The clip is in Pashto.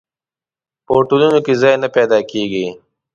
په هوټلونو کې ځای نه پیدا کېږي.